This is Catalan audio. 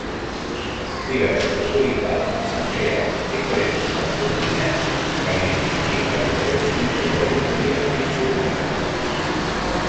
Diverses autoritats han creat diferents taxonomies per distingir els diferents tipus d'auditories d'informàtica.